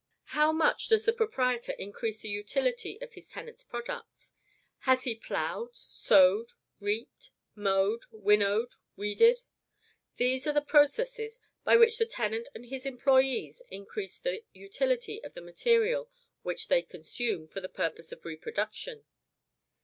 How much does the proprietor increase the utility of his tenant's products? Has he ploughed, sowed, reaped, mowed, winnowed, weeded? These are the processes by which the tenant and his employees increase the utility of the material which they consume for the purpose of reproduction.